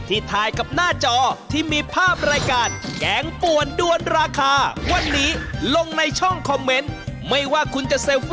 ที่ถ่ายกับหน้าจอที่มีภาพรายการ